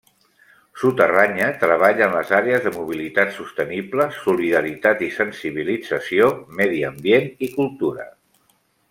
Soterranya treballa en les àrees de mobilitat sostenible, solidaritat i sensibilització, medi ambient i cultura.